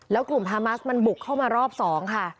แล้วกลุ่มฮามัสมันบุกเข้ามารอบ๒ค่ะ